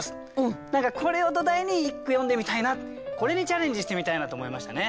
何かこれを土台に一句詠んでみたいなこれにチャレンジしてみたいなって思いましたね。